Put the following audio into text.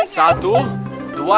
satu dua tiga